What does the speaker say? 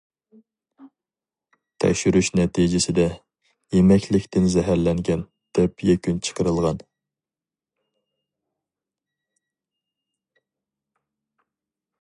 تەكشۈرۈش نەتىجىسىدە‹‹ يېمەكلىكتىن زەھەرلەنگەن›› دەپ يەكۈن چىقىرىلغان.